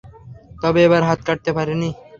তবে এবার হাত কাটতে পারেনি।